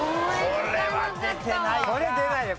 これは出ないよ。